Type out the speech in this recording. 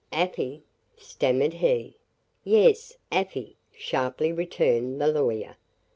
"Afy?" stammered he. "Yes, Afy," sharply returned the lawyer.